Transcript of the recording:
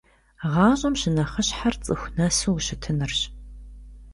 ГъащӀэм щынэхъыщхьэр цӀыху нэсу ущытынырщ.